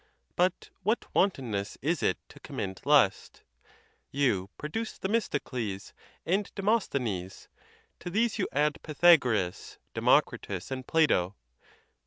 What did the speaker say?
But what wantonness is it to commend lust! You pro duce Themistocles and Demosthenes; to these you add Pythagoras, Democritus, and Plato.